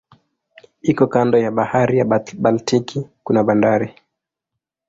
Iko kando ya bahari ya Baltiki kuna bandari.